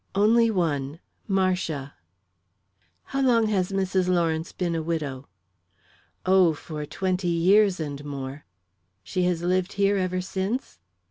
"Only one Marcia." "How long has Mrs. Lawrence been a widow?" "Oh, for twenty years and more." "She has lived here ever since?"